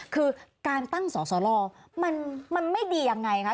คือการตั้งสอสลมันไม่ดียังไงคะ